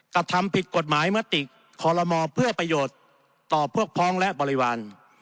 กระทำผิดกฎหมายมติคอลโลมอเพื่อประโยชน์ต่อพวกพ้องและบริวาร